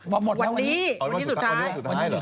วันนี้วันสุดท้าย